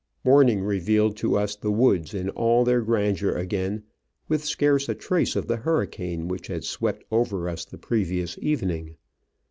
Morning revealed to us the woods in all their grandeur again, with scarce a trace of the hurricane which had swept over us on the previous evening.